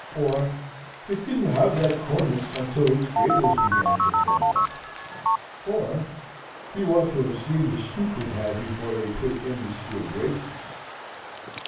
Or, "It didn't have that cornice until its gables began to fall off." Or, "You ought to have seen the stoop it had before they put in the steel braces."